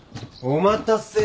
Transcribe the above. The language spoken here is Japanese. お待たせ。